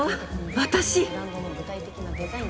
私！